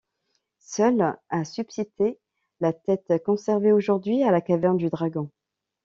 Seule a subsisté la tête, conservée aujourd'hui à la Caverne du dragon.